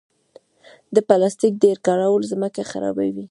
د پلاستیک ډېر کارول ځمکه خرابوي.